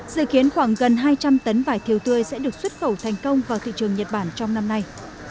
dự kiến khoảng gần hai trăm linh tấn vải thiều tươi sẽ được xuất khẩu thành công vào thị trường nhật bản trong năm nay